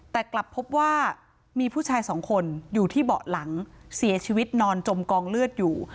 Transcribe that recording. แต่กลับพบว่ามีผู้ชายสองคนอยู่ที่เบาะหลังเสียชีวิตนอนจมกองเลือดอยู่